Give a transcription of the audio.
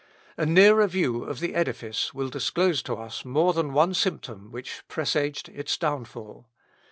A nearer view of the edifice will disclose to us more than one symptom which presaged its downfall.